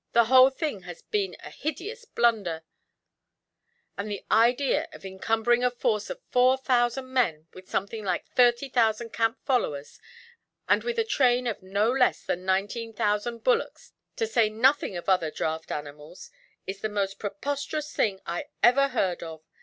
The whole thing has been a hideous blunder, and the idea of encumbering a force of four thousand men with something like thirty thousand camp followers, and with a train of no less than nineteen thousand bullocks, to say nothing of other draught animals, is the most preposterous thing I ever heard of.